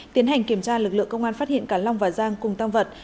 tiến hành kiểm tra lực lượng công an phát hiện cả long và giang cùng tam vật